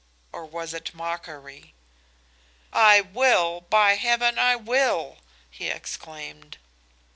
Or was it mockery? "I will, by heaven, I will!" he exclaimed.